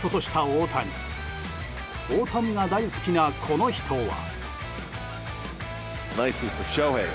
大谷が大好きなこの人は。